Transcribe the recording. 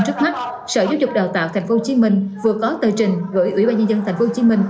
trước mắt sở giáo dục đào tạo tp hcm vừa có tờ trình gửi ủy ban nhân dân tp hcm